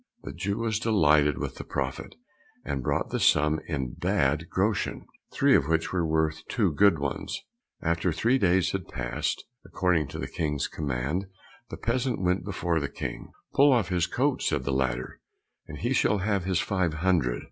The Jew was delighted with the profit, and brought the sum in bad groschen, three of which were worth two good ones. After three days had passed, according to the King's command, the peasant went before the King. "Pull his coat off," said the latter, "and he shall have his five hundred."